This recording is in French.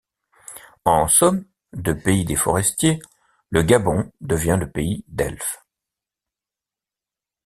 En somme, de pays des forestiers, le Gabon devient le pays d’Elf.